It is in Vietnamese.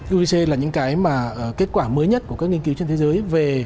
uec là những cái mà kết quả mới nhất của các nghiên cứu trên thế giới về